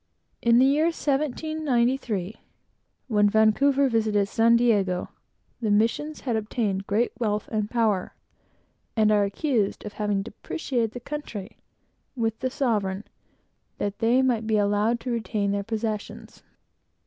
In the year 1793, when Vancouver visited San Diego, the mission had obtained great wealth and power, and are accused of having depreciated the country with the sovereign, that they might be allowed to retain their possessions.